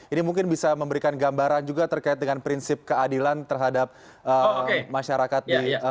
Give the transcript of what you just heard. ini mungkin bisa memberikan gambaran juga terkait dengan prinsip keadilan terhadap masyarakat di